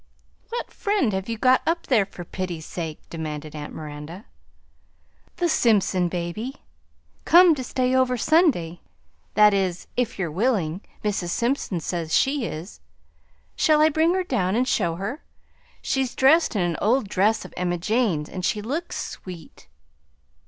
"What friend have you got up there, for pity's sake?" demanded aunt Miranda. "The Simpson baby, come to stay over Sunday; that is, if you're willing, Mrs. Simpson says she is. Shall I bring her down and show her? She's dressed in an old dress of Emma Jane's and she looks sweet."